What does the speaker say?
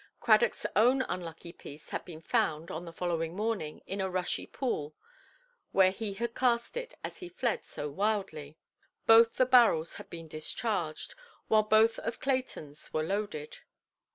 Cradockʼs own unlucky piece had been found, on the following morning, in a rushy pool, where he had cast it, as he fled so wildly. Both the barrels had been discharged, while both of Claytonʼs were loaded.